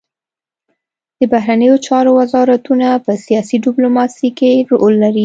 د بهرنیو چارو وزارتونه په سیاسي ډیپلوماسي کې رول لري